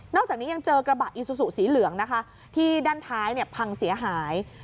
จากนี้ยังเจอกระบะอีซูซูสีเหลืองนะคะที่ด้านท้ายพังเสียหาย